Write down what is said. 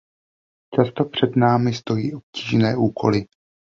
Často před námi stojí obtížné úkoly.